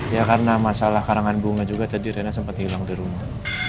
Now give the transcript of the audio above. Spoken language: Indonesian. ya karena masalah karangan bunga juga tadi rena sempat hilang di rumah